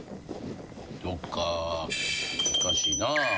そっか難しいな。